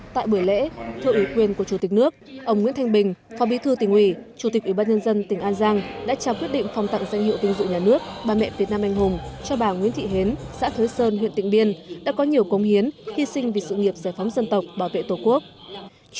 tại buổi lễ thưa ủy quyền của chủ tịch nước ông nguyễn thanh bình phó bí thư tỉnh ủy chủ tịch ủy ban nhân dân tỉnh an giang đã trao quyết định phong tặng danh hiệu vinh dự nhà nước bà mẹ việt nam anh hùng cho bà nguyễn thị hến xã thới sơn huyện tịnh biên đã có nhiều công hiến hy sinh vì sự nghiệp giải phóng dân tộc bảo vệ tổ quốc